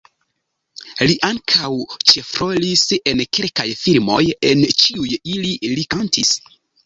Li ankaŭ ĉefrolis en kelkaj filmoj, en ĉiuj ili li kantis.